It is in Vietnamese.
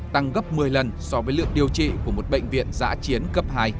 tăng gấp một mươi lần so với lượng điều trị của một bệnh viện giã chiến cấp hai